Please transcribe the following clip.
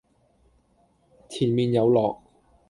前面有落